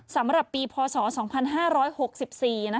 สำหรับปีพศ๒๕๖๔